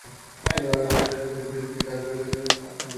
আলুর মাঝখানে সাবধানে কুরিয়ে কিছুটা আলু বের করে বাটির মতো আকার দিন।